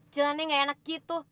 jelannya gak enak gitu